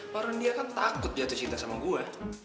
karena dia kan takut jatuh cinta sama gue